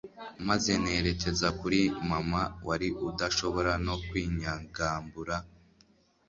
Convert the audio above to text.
maze ntekereza kuri mama wari udashobora no kwinyagambura